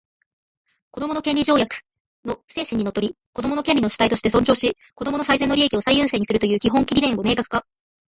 「子どもの権利条約」の精神にのっとり、子供を権利の主体として尊重し、子供の最善の利益を最優先にするという基本理念を明確化